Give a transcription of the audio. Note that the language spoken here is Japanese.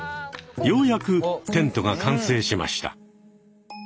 ようやくテントが完成しました。